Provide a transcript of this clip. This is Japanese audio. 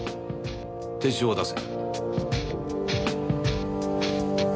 手帳を出せ。